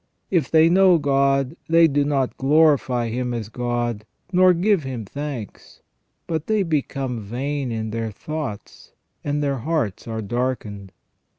If they know God, they do not glorify Him as God, nor give Him thanks ; but they become vain in their thoughts, and their hearts are darkened.